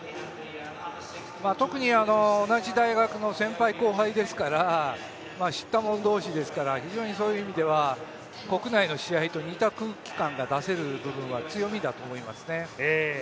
特に同じ大学の先輩後輩ですから知ったもん同士ですから、そういう意味では国内の試合と似た空気感が出せるというのは強みだと思います。